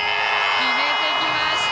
決めてきました！